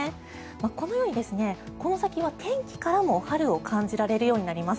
このようにこの先は天気からも春を感じられるようになります。